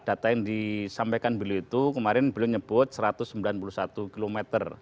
data yang disampaikan beliau itu kemarin beliau nyebut satu ratus sembilan puluh satu km